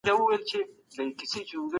پښتو ژبه د نړۍ له غني ژبو څخه ده